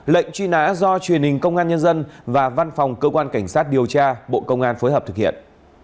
lệnh truy nã do truyền hình công an nhân dân và văn phòng cơ quan cảnh sát điều tra bộ công an phối hợp thực hiện